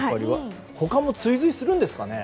他も追随するんですかね。